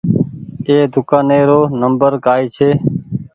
ايِ دوڪآني رو نمبر ڪآئي ڇي۔